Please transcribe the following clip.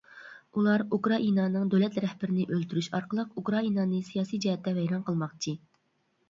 ئۇلار ئۇكرائىنانىڭ دۆلەت رەھبىرىنى ئۆلتۈرۈش ئارقىلىق ئۇكرائىنانى سىياسىي جەھەتتە ۋەيران قىلماقچى.